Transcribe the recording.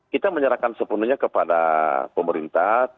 kita menyerahkan sepenuhnya kepada pemerintah